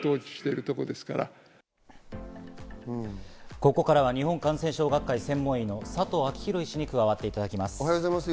ここからは日本感染症学会専門医の佐藤昭裕医師に加わっていただきます。